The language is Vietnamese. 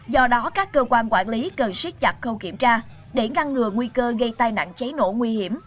do đó các cơ quan quản lý cần siết chặt khâu kiểm tra để ngăn ngừa nguy cơ gây tai nạn cháy nổ nguy hiểm